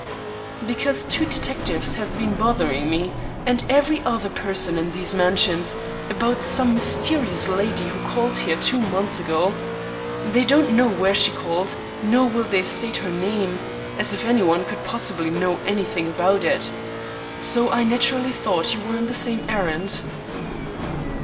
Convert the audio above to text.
"Because two detectives have been bothering me, and every other person in these mansions, about some mysterious lady who called here two months ago. They don't know where she called, nor will they state her name; as if any one could possibly know anything about it. So I naturally thought you were on the same errand."